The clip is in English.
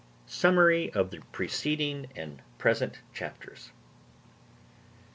_Summary of the preceding and present Chapters.